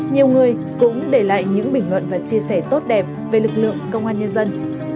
nhiều người cũng để lại những bình luận và chia sẻ tốt đẹp về lực lượng công an nhân dân